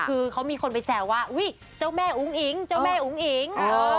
คือเขามีคนไปแซวว่าอุ๊ยเจ้าแม่อุ๋งอิ๋งเจ้าแม่อุ๋งอิ๋ง